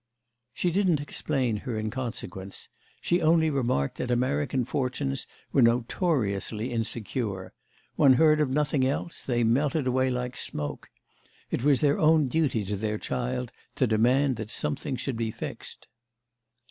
She didn't explain her inconsequence; she only remarked that American fortunes were notoriously insecure; one heard of nothing else; they melted away like smoke. It was their own duty to their child to demand that something should be fixed.